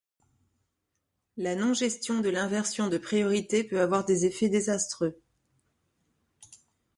La non gestion de l'inversion de priorité peut avoir des effets désastreux.